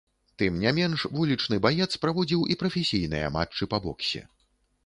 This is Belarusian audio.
Тым не менш, вулічны баец праводзіў і прафесійныя матчы па боксе.